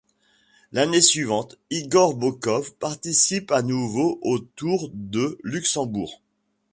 L'année suivante, Igor Bokov participe à nouveau au Tour de Luxembourg.